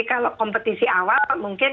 kalau kompetisi awal mungkin